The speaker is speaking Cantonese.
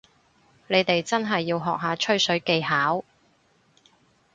你哋真係要學下吹水技巧